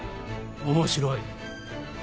面白い。